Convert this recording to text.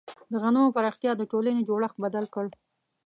د غنمو پراختیا د ټولنې جوړښت بدل کړ.